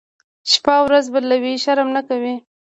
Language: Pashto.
شپه ورځ بدلوي، شرم نه کوي.